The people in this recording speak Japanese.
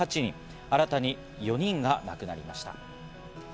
新たに４人が亡くなりました。